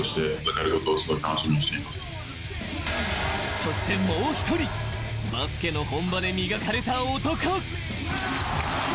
そしてもう一人、バスケの本場で磨かれた男。